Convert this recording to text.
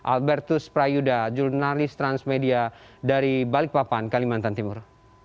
albertus prayuda jurnalis transmedia dari balai papan kalimantan timur